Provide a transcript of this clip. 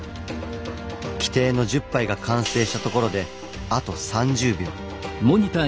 規定の１０杯が完成したところであと３０秒。